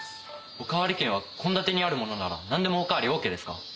おかわり券は献立にあるものならなんでもおかわりオーケーですか？